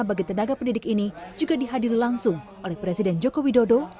bagi tenaga pendidik ini juga dihadiri langsung oleh presiden joko widodo